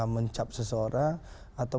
mencap seseorang atau